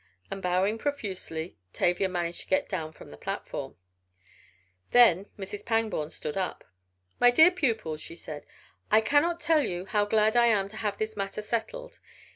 and bowing profusely Tavia managed to get down from the platform. Then Mrs. Pangborn stood up. "My dear pupils," she said, "I cannot tell you how glad I am to have this matter settled.